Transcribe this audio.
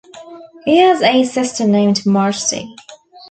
He has a sister named Marci.